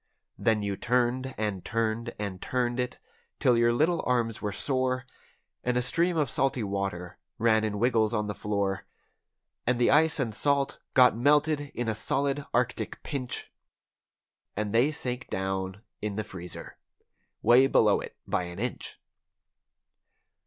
Then you turned and turned and turned it, 'til your little arms were sore. And a stream of salty water ran in wiggles on the floor. And the ice and salt got melted in a solid Arctic pinch, And they sank down in the freezer—way below it by an inch.